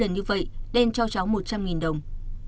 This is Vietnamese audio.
như vậy đen cho cháu một trăm linh đồng